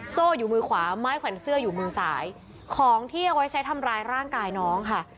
โซ่อยู่มือขวาไม้แขวนเสื้ออยู่มือซ้ายของที่เอาไว้ใช้ทำร้ายร่างกายน้องค่ะ